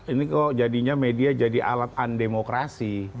ini kok jadinya media jadi alat undemokrasi